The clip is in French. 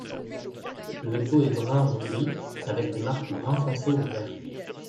Le dos est brun ou gris avec des marques brun foncé ou vertes.